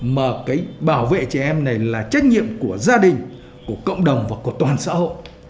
mà cái bảo vệ trẻ em này là trách nhiệm của gia đình của cộng đồng và của toàn xã hội